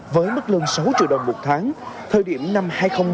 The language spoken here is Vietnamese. với mức lương sáu triệu đồng một tháng thời điểm năm hai nghìn một mươi